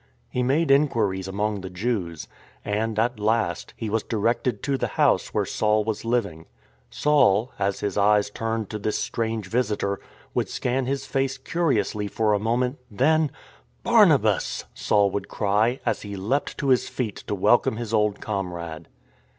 He made inquiries among the Jews, and, at last, he was directed to the house where Saul was living. Saul, as his eyes turned to this strange visitor, would scan his face curiously for a moment, then :" Barnabas !" Saul would cry, as he leapt to his feet to welcome his old comrade.